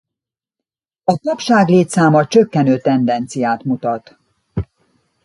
A papság létszáma csökkenő tendenciát mutat.